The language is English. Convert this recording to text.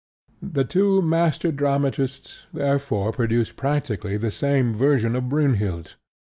The two master dramatists therefore produce practically the same version of Brynhild.